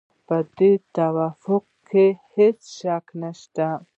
په دې توافق کې هېڅ شک نشته.